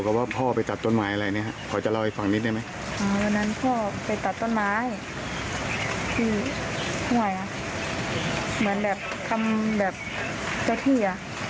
ก็ได้พอไปอาจจะทำแบบเจ้าที่